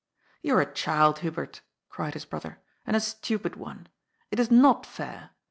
" You are a child, Hubert," cried his brother, " and a stupid one. It is not fair.